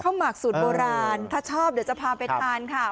หมักสูตรโบราณถ้าชอบเดี๋ยวจะพาไปทานค่ะ